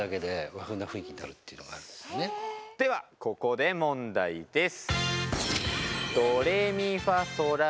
ではここで問題です。